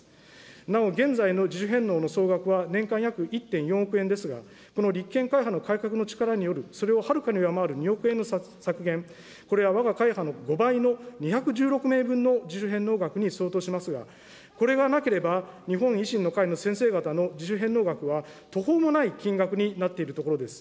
なお、現在の自主返納の総額は年間約１．４億円ですが、この立憲会派の改革の力によるそれをはるかに上回る２億円の削減、これはわが会派の５倍の２１６名分の自主返納額に相当しますが、これがなければ、日本維新の会の先生方の自主返納額は、途方もない金額になっているところです。